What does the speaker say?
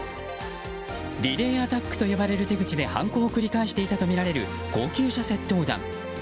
リレーアタックと呼ばれる手口で犯行を繰り返していたとみられる高級車窃盗団。